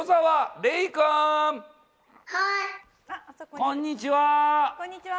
こんにちは。